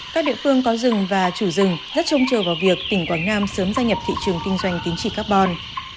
các địa phương có rừng và chủ rừng rất trông chờ vào việc tỉnh quảng nam sớm gia nhập thị trường kinh doanh tính trị carbon